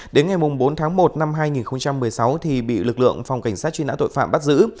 đến ngày bốn tháng một năm hai nghìn một mươi sáu thì bị lực lượng phòng cảnh sát truy nã tội phạm bắt giữ